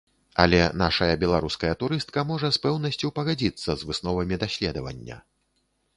Але нашая беларуская турыстка можа з пэўнасцю пагадзіцца з высновамі даследавання.